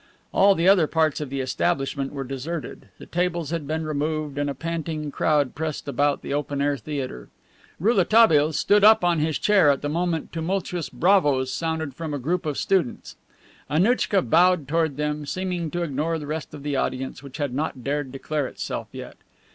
All the other parts of the establishment were deserted, the tables had been removed, and a panting crowd pressed about the open air theater. Rouletabille stood up on his chair at the moment tumultuous "Bravos" sounded from a group of students. Annouchka bowed toward them, seeming to ignore the rest of the audience, which had not dared declare itself yet.